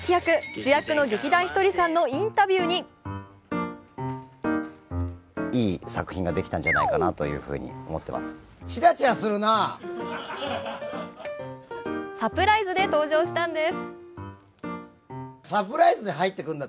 主役の劇団ひとりさんのインタビューにサプライズで登場したんです。